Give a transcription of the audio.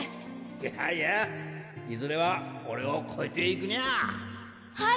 いやいやいずれはオレをこえていくにはい！